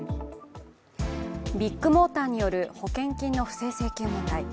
ビッグモーターによる保険金の不正請求問題。